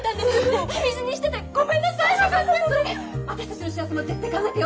私たちの幸せも絶対考えてよ。